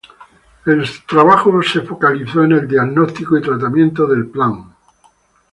El trabajo se focalizó en el diagnóstico y tratamiento del pian.